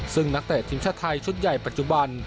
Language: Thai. ซึ่งนักเตะทีมชาติไทยชุดใหญ่ปัจจุบัน